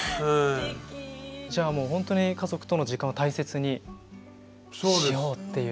じゃあもう本当に家族との時間を大切にしようっていう。